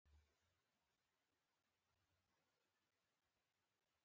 میمونۍ ویلې شیرعالمه